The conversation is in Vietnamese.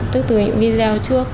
từ những video trước